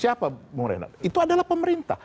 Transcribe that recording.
siapa bung renat itu adalah pemerintah